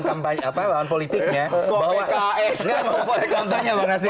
kepala pks itu membolehkan kampanye bang nasir